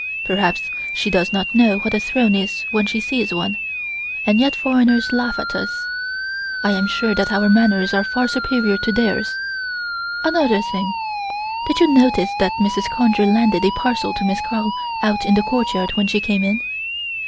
Perhaps she does not know what a throne is when she sees one, and yet foreigners laugh at us. I am sure that our manners are far superior to theirs. Another thing did you notice that Mrs. Conger handed a parcel to Miss Carl out in the courtyard when she came in?"